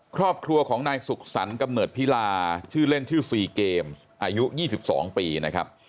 ครอบครัวของนายสุขสรรคกำเนิดพิลาชื่อเล่นชื่อซีเกมอายุ๒๒ปีนะครับ